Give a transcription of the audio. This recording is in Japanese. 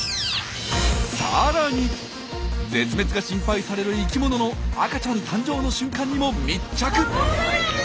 さらに絶滅が心配される生きものの赤ちゃん誕生の瞬間にも密着。